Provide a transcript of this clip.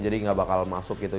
jadi gak bakal masuk gitu